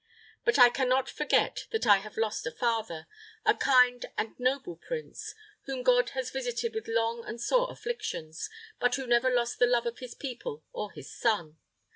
But I can not forget that I have lost a father, a kind and noble prince, whom God has visited with long and sore afflictions, but who never lost the love of his people or his son.